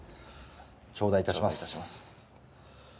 頂戴いたします。